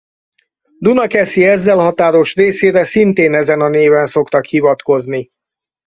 Dunakeszi ezzel határos részére szintén ezen a néven szoktak hivatkozni.